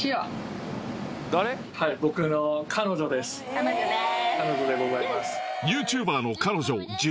彼女です。